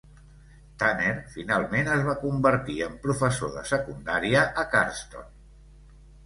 Tanner finalment es va convertir en professor de secundària a Cardston.